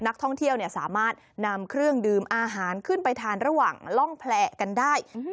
นักท่องเที่ยวสามารถนำเครื่องดื่มอาหารขึ้นไปทานระหว่างล่องแผลกันได้